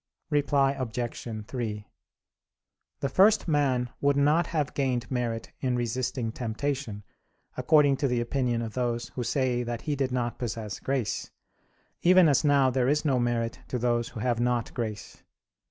Reply Obj. 3: The first man would not have gained merit in resisting temptation, according to the opinion of those who say that he did not possess grace; even as now there is no merit to those who have not grace.